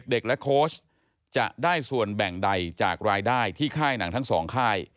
เด็กและโค้ชจะได้ส่วนแบ่งใดจากรายได้ที่ค่ายหนังทั้งสองค่าย